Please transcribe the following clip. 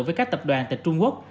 với các tập đoàn tại trung quốc